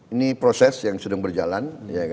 ini proses yang sedang berjalan